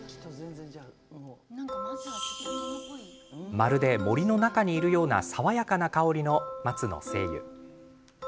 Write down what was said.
まるで森の中にいるような爽やかな香りの松の精油。